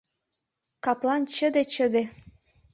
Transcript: Каплан чыде-чыде.